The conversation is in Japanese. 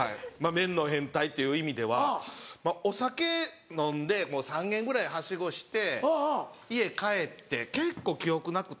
麺の変態っていう意味ではお酒飲んでもう３軒ぐらいはしごして家帰って結構記憶なくて。